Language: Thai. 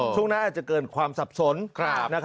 ช่วงนั้นอาจจะเกินความสับสน